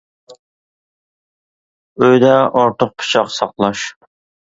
ئۆيىدە ئارتۇق پىچاق ساقلاش .